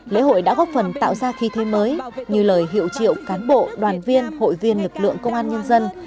lễ hội đã góp phần tạo ra khí thế mới như lời hiệu triệu cán bộ đoàn viên hội viên lực lượng công an nhân dân